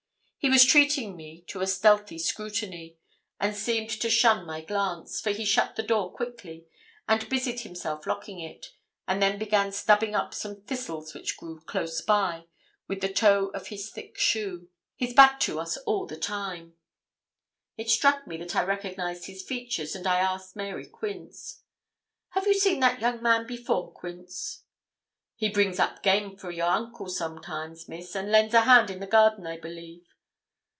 He was treating me to a stealthy scrutiny, and seemed to shun my glance, for he shut the door quickly, and busied himself locking it, and then began stubbing up some thistles which grew close by, with the toe of his thick shoe, his back to us all the time. It struck me that I recognised his features, and I asked Mary Quince. 'Have you seen that young man before, Quince?' 'He brings up game for your uncle, sometimes, Miss, and lends a hand in the garden, I believe.'